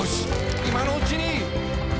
今のうちに」